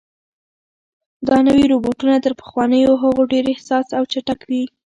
دا نوي روبوټونه تر پخوانیو هغو ډېر حساس او چټک دي.